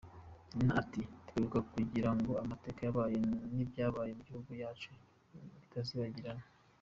Nina ati :”Twibuka kugira ngo amateka yabaye n’ibyabaye mu gihugu cyacu bitazibagira.